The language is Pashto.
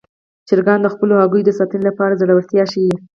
چرګان د خپلو هګیو د ساتنې لپاره زړورتیا ښيي.